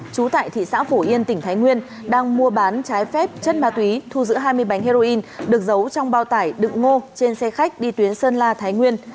trú tại thị xã phổ yên tỉnh thái nguyên đang mua bán trái phép chất ma túy thu giữ hai mươi bánh heroin được giấu trong bao tải đựng ngô trên xe khách đi tuyến sơn la thái nguyên